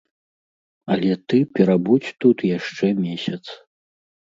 Але ты перабудзь тут яшчэ месяц.